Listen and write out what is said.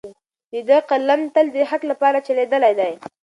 د ده قلم تل د حق لپاره چلیدلی دی.